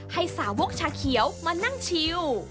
สาวกชาเขียวมานั่งชิว